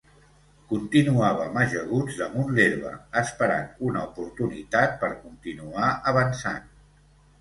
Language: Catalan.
Continuàvem ajaguts damunt l'herba, esperant una oportunitat per continuar avançant